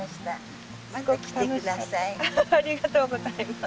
ありがとうございます。